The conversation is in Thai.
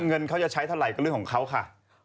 เงินเขาจะใช้เท่าไหร่ก็เรื่องของเขาค่ะ